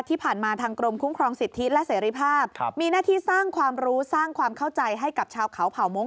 หน้าที่สร้างความรู้สร้างความเข้าใจให้กับชาวเขาเผ่ามงค์